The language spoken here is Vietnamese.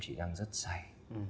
chị đang rất say